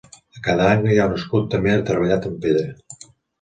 A cada angle hi ha un escut també treballat en pedra.